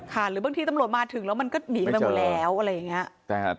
ค่ะหรือบางทีตำรวจมาถึงแล้วมันก็หนีมาหมดแล้ว